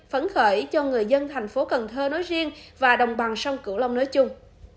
hãy cho người dân thành phố cần thơ nói riêng và đồng bằng sông cửu long nói chung